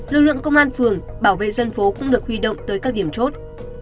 lực lượng công an phường bảo vệ dân phố cũng được huy động tới các điểm chốt